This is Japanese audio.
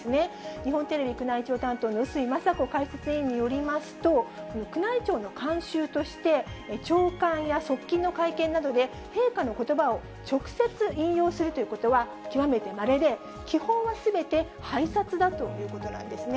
日本テレビ宮内庁担当の笛吹雅子解説委員によりますと、この宮内庁の慣習として、長官や側近の会見などで、陛下のことばを直接引用するということは、極めてまれで、基本はすべて拝察だということなんですね。